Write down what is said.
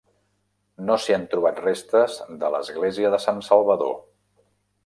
No s'hi han trobat restes de l'església de Sant Salvador.